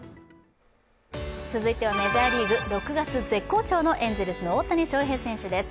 続いてはメジャーリーグ、６月絶好調のエンゼルスの大谷翔平選手です。